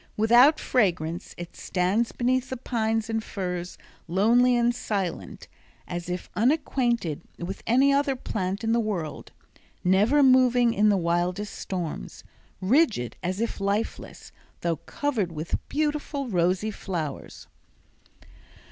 Without fragrance, it stands beneath the pines and firs lonely and silent, as if unacquainted with any other plant in the world; never moving in the wildest storms; rigid as if lifeless, though covered with beautiful rosy flowers.